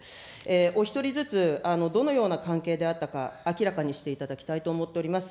お１人ずつどのような関係であったか、明らかにしていただきたいと思っております。